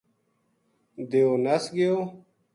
دیو نس گیو